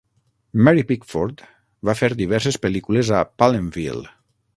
Mary Pickford va fer diverses pel·lícules a Palenville.